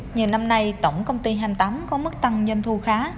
nhiều năm nay tổng công ty hai mươi tám có mức tăng doanh thu khá